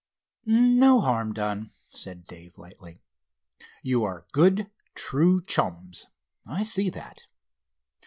"No harm done," said Dave lightly. "You are good, true chums, I see that.